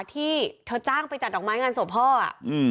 ที่เธอจ้างไปจัดดอกไม้งานศพพ่ออ่ะอืม